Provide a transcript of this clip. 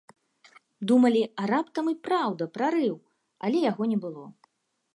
Думалі, а раптам і, праўда, прарыў, але яго не было.